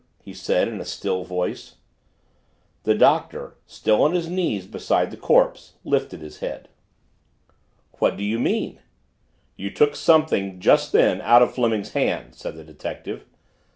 he said in a still voice. The Doctor, still on his knees beside the corpse, lifted his head. "What do you mean?" "You took something, just then, out of Fleming's hand," said the detective.